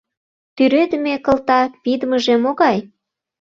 Тӱредме, кылта пидмыже могай?